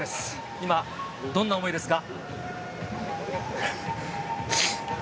今、どんな思いですか？